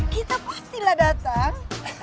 kita pastilah datang